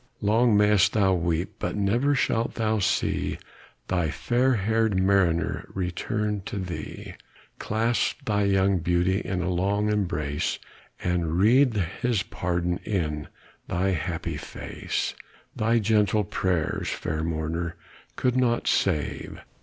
Long may'st thou weep, but never shalt thou see Thy fair hair'd mariner return to thee, Clasp thy young beauty in a long embrace, And read his pardon in thy happy face; Thy gentle prayers, fair mourner, could not save!